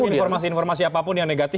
itu informasi informasi apapun yang negatif